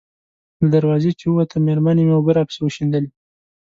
له دروازې چې ووتم، مېرمنې مې اوبه راپسې وشیندلې.